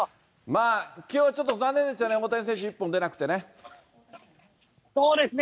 まあ、きょうはちょっと残念でしたね、大谷選手、そうですね。